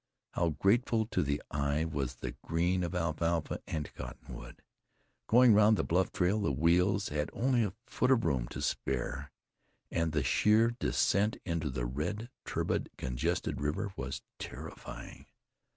How grateful to the eye was the green of alfalfa and cottonwood! Going round the bluff trail, the wheels had only a foot of room to spare; and the sheer descent into the red, turbid, congested river was terrifying.